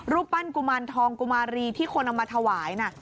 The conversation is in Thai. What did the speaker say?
รูปปั้นกุมารทองกุมารีที่คนเอามาถวายนะ